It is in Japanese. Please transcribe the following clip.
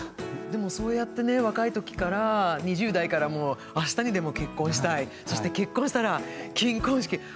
でもそうやってね若い時から２０代からもうあしたにでも結婚したいそして結婚したら金婚式。